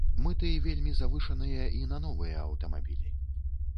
Мыты вельмі завышаныя і на новыя аўтамабілі.